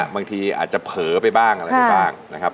บางทีอาจจะเผลอไปบ้างอะไรไปบ้างนะครับ